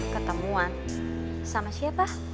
ketemuan sama siapa